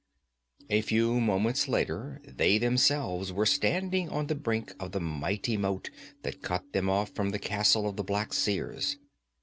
A few moments later they themselves were standing on the brink of the mighty moat that cut them off from the castle of the Black Seers.